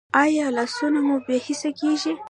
ایا لاسونه مو بې حسه کیږي؟